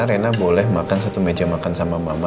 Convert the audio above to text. rena boleh makan satu meja makan sama mama